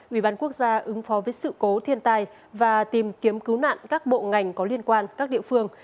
ubnd ứng phó với sự cố thiên tai và tìm kiếm cứu nạn các bộ ngành có liên quan các địa phương